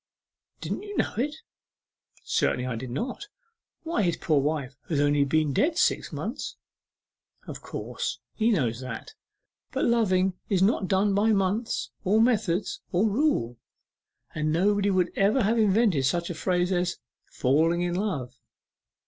'Didn't you know it?' 'Certainly I did not. Why, his poor wife has only been dead six months.' 'Of course he knows that. But loving is not done by months, or method, or rule, or nobody would ever have invented such a phrase as "falling in love."